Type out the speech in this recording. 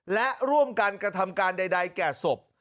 และร่วมกันกระทำการใดแก่ศพ